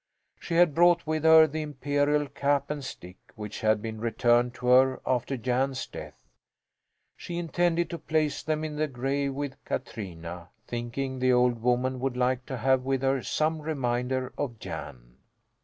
She had brought with her the imperial cap and stick, which had been returned to her after Jan's death. She intended to place them in the grave with Katrina, thinking the old woman would like to have with her some reminder of Jan.